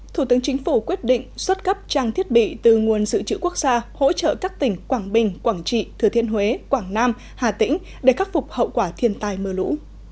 thủ tướng chính phủ quyết định xuất cấp trang thiết bị từ nguồn sự trữ quốc gia hỗ trợ các tỉnh quảng bình quảng trị thừa thiên huế quảng nam hà tĩnh để khắc phục hậu quả thiên tai mưa lũ